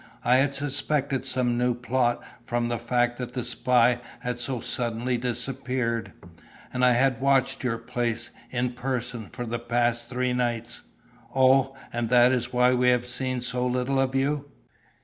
I had suspected some new plot, from the fact that the spy had so suddenly disappeared, and I had watched your place, in person, for the past three nights." "Oh! And that is why we have seen so little of you?"